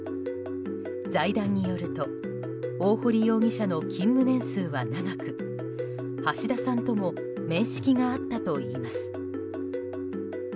財団によると大堀容疑者の勤務年数は長く橋田さんとも面識があったといいます。